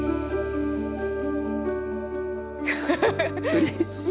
うれしい。